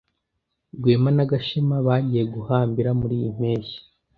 Rwema na Gashema bagiye guhambira muriyi mpeshyi.